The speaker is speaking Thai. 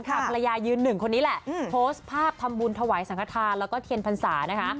ภรรยายืนหนึ่งคนนี้แหละโพสต์ภาพทำบุญถวายสังขทานแล้วก็เทียนพรรษานะคะ